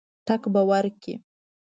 ټګ به ورکړي.